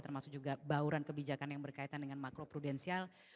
termasuk juga bauran kebijakan yang berkaitan dengan makro prudensial